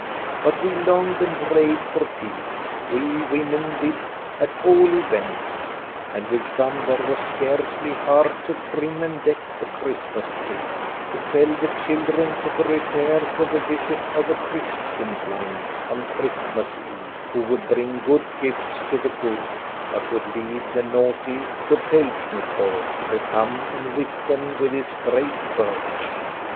But we longed and prayed for peace we women did at all events and with some there was scarcely heart to trim and deck the Christmas tree; to tell the children to prepare for the visit of the Christ Kindlein on Christmas Eve, who would bring good gifts to the good, but would leave the naughty to Pelsnichol to come and whip them with his great birch.